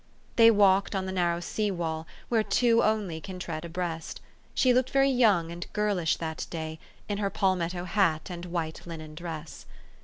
They walked on the narrow sea wall, where two only can tread abreast. She looked very young and girlish that day, in her palmetto hat and white linen dress.